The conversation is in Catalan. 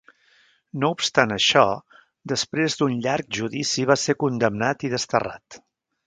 No obstant això, després d'un llarg judici va ser condemnat i desterrat.